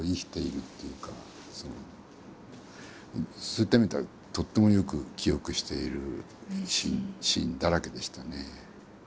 そういった意味ではとってもよく記憶しているシーンだらけでしたね。